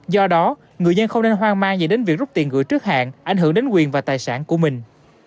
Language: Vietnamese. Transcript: do đó người dân không nên hoang mang gì đến việc rút tiền gửi trước hạn ảnh hưởng đến quyền và tài sản của mình